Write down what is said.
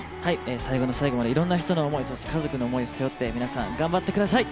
最後の最後までいろんな人の思い、そして家族の思いを背負って皆さん、頑張ってください！